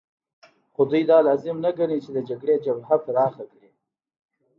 خو دوی دا لازم نه ګڼي چې د جګړې جبهه پراخه کړي